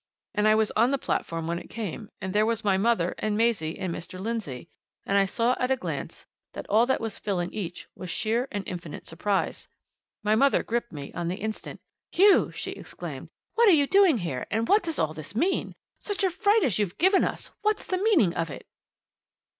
And I was on the platform when it came, and there was my mother and Maisie and Mr. Lindsey, and I saw at a glance that all that was filling each was sheer and infinite surprise. My mother gripped me on the instant. "Hugh!" she exclaimed. "What are you doing here, and what does all this mean? Such a fright as you've given us! What's the meaning of it?"